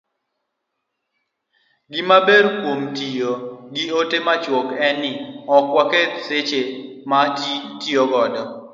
Gimaber kuom tiyo gi ote machuok en ni, ok waketh seche ma itiyo godo